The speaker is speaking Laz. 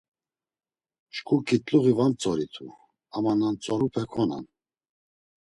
Şǩiu ǩitluği va mtzoritu, ama na ntzorupe konan.